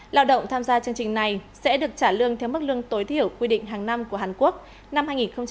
lao động tham gia chương trình này sẽ được trả lương theo mức lương tối thiểu quy định hàng năm của hàn quốc